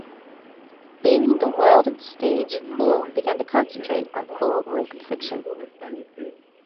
Leaving the world of the stage, Poole began to concentrate on full length fiction.